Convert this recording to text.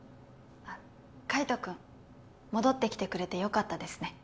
あっ海斗君戻ってきてくれてよかったですね